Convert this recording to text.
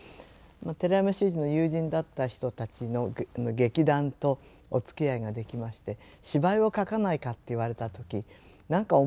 寺山修司の友人だった人たちの劇団とおつきあいができまして「芝居を書かないか」って言われた時「何か面白い芝居じゃなきゃ駄目だ。